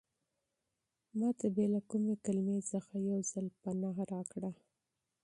ما ته بې له کومې کلمې څخه یو ځل پناه راکړه.